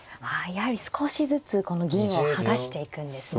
やはり少しずつこの銀を剥がしていくんですね。